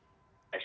ya semuanya ke